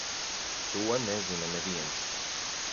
To nezina neviens.